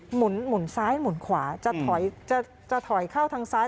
หมุนซ้ายหมุนขวาจะถอยจะถอยเข้าทางซ้าย